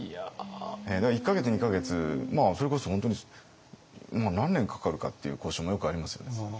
だから１か月２か月それこそ本当に何年かかるかっていう交渉もよくありますよね。